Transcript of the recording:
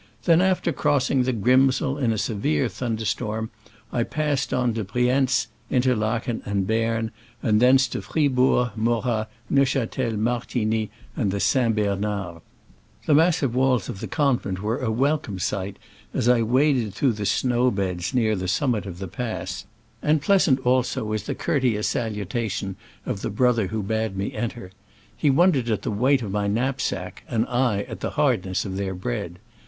Then, after crossing the Grimsel in a severe thunder storm, I passed on to Brienz, I nterlachen and Berne, and thence to Fri bourg and Mo rat, Neuchatel, Martigny and the St. Bernard. The massive walls of the convent were ^ welcome sight as I '^^ waded through the snow beds near the summit of the pass, and pleasant also was the courteous salutation of the Digitized by Google 14 SCRAMBLES AMONGST THE ALPS IN i86o »69. brother who bade me enter. He won dered at the weight of my knapsack, and I at the hardness of their bread.